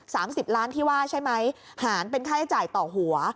สิบล้านที่ว่าใช่ไหมหารเป็นค่าใช้จ่ายต่อหัว